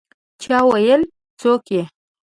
چا وویل: «څوک يې؟»